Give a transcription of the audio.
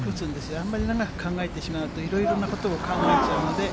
あんまり長く考えてしまうと、いろいろなことを考えちゃうので。